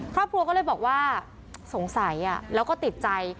ครอบครัวก็เลยบอกว่าสงสัยแล้วก็ติดใจ